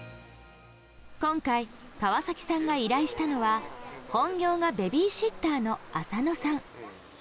今回、川崎さんが依頼したのは本業がベビーシッターの浅野さん。